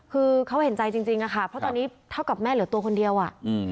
คือเขาเห็นใจจริงอะค่ะเพราะตอนนี้เท่ากับแม่เหลือตัวคนเดียวอ่ะ